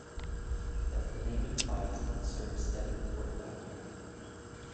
As the name implies it serves Devonport Dockyard.